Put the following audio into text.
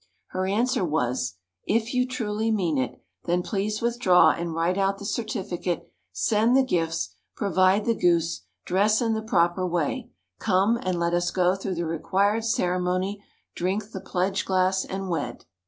Her answer was, "If you truly mean it, then please withdraw and write out the certificate; send the gifts; provide the goose; dress in the proper way; come, and let us go through the required ceremony; drink the pledge glass, and wed."